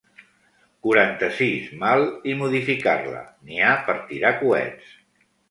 Quaranta-sis mal i modificar-la n'hi ha per tirar coets.